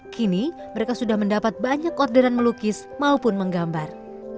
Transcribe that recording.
kini mereka sudah mendapat banyak orderan melukis maupun menggambar